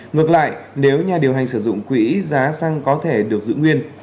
ngược lại nếu nhà điều hành sử dụng quỹ giá xăng có thể được giữ nguyên